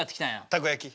たこ焼き。